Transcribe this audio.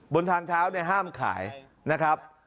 บนทางเท้าเนี่ยห้ามขายนะครับ